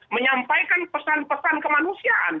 menyampaikan pesan pesan kemanusiaan